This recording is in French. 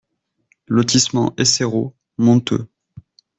Lotissement Eissero, Monteux